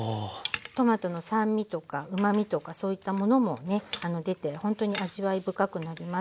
トマトの酸味とかうまみとかそういったものもね出てほんとに味わい深くなります。